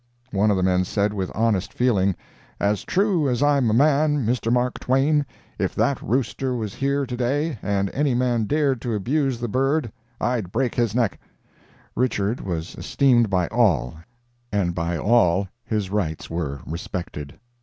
One of the men said with honest feeling: "As true as I'm a man, Mr. Mark Twain, if that rooster was here to day and any man dared to abuse the bird I'd break his neck!" Richard was esteemed by all and by all his rights were respected.